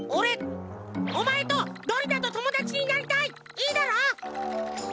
いいだろ？